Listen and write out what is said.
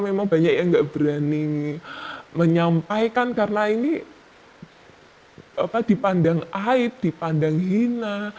memang banyak yang nggak berani menyampaikan karena ini dipandang aib dipandang hina